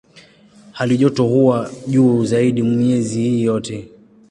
Halijoto huwa juu zaidi miezi hii yote.